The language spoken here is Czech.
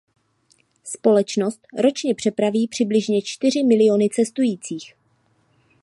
Společnost ročně přepraví přibližně čtyři miliony cestujících.